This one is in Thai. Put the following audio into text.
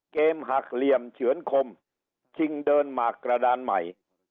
หักเหลี่ยมเฉือนคมชิงเดินหมากกระดานใหม่